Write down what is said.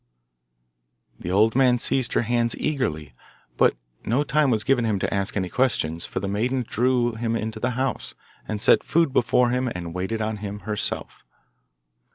The old man seized her hands eagerly, but no time was given him to ask any questions, for the maiden drew him into the house, and set food before him, and waited on him herself.